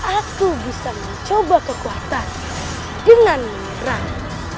aku bisa mencoba kekuatan dengan menyerang